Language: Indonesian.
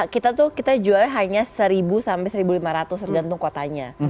kita tuh kita jualnya hanya seribu sampai seribu lima ratus tergantung kotanya